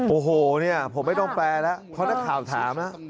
โอ้โหผมไม่ต้องแปลแล้วเพราะนักข่าวถาม